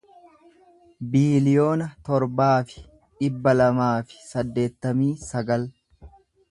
biiliyoona torbaa fi dhibba lamaa fi saddeettamii sagal